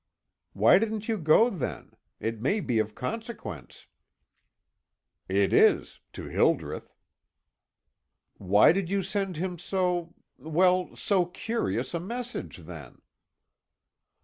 "Why didn't you go then? It may be of consequence." "It is to Hildreth." "Why did you send him so well, so curious a message, then?"